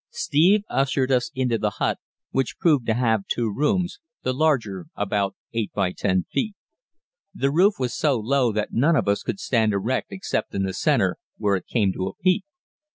Steve ushered us into the hut, which proved to have two rooms, the larger about eight by ten feet. The roof was so low that none of us could stand erect except in the centre, where it came to a peak.